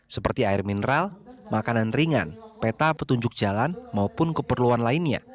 seperti air mineral makanan ringan peta petunjuk jalan maupun keperluan lainnya